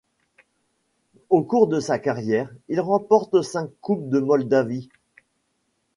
Au cours de sa carrière, il remporte cinq coupes de Moldavie.